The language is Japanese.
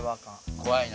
怖いな。